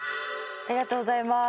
ありがとうございます。